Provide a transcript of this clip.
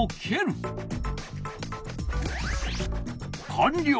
かんりょう！